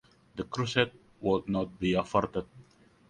The crusade would not be averted.